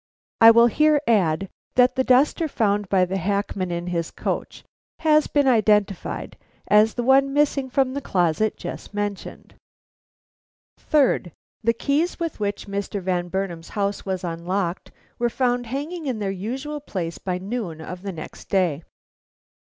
I will here add that the duster found by the hackman in his coach has been identified as the one missing from the closet just mentioned. "Third: "The keys with which Mr. Van Burnam's house was unlocked were found hanging in their usual place by noon of the next day.